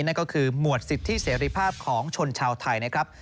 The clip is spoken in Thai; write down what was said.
นั่นก็คือหมวดสิทธิเสรีภาพของชนชาวไทยนะครับ